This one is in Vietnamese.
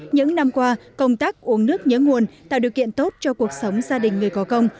những năm qua công tác uống nước nhớ nguồn tạo điều kiện tốt cho cuộc sống gia đình người có công